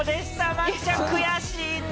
麻貴ちゃん、悔しいね。